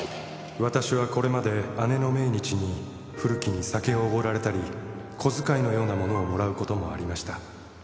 「私はこれまで姉の命日に古木に酒をおごられたり小遣いのようなものをもらう事もありました」